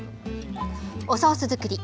おソース作り。